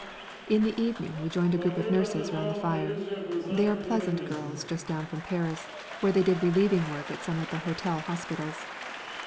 In the evening we joined a group of nurses round the fire. They are pleasant girls just down from Paris, where they did relieving work at some of the hotel hospitals.